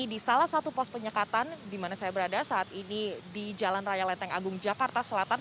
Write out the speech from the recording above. di salah satu pos penyekatan di mana saya berada saat ini di jalan raya lenteng agung jakarta selatan